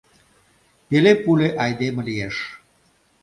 Пеле-пуле айдеме лиеш.